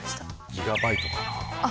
ギガバイトかなあ。